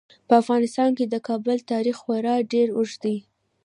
په افغانستان کې د کابل تاریخ خورا ډیر اوږد دی.